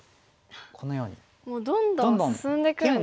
もうどんどん進んでくるんですね。